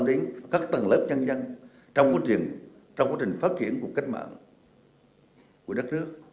chúng ta phải quan tâm đến các tầng lớp nhân dân trong quá trình phát triển cuộc cách mạng của đất nước